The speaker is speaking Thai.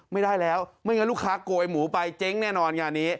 ไม่ได้แล้วไม่งั้นลูกค้าโกยหมูไปเจ๊งแน่นอนงานนี้